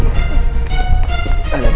ikicek punya uang dengok